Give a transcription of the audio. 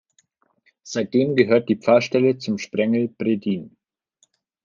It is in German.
Seitdem gehört die Pfarrstelle zum Sprengel Breddin.